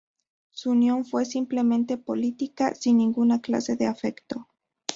Su unión fue simplemente política sin ninguna clase de afecto.